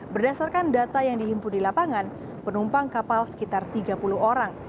berdasarkan data yang dihimpun di lapangan penumpang kapal sekitar tiga puluh orang